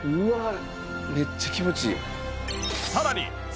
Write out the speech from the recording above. めっちゃ気持ちいい。